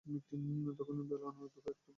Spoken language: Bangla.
তখন বেলা আনুমানিক দুপুর একটা।